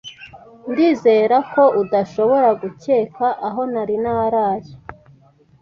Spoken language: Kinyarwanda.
Ndizera ko udashobora gukeka aho nari naraye!